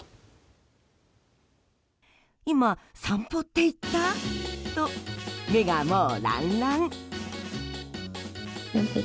今、散歩って言った？と目が、もうランラン。